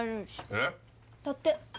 えっ？だって。